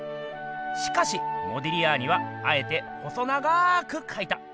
しかしモディリアーニはあえて細長くかいた。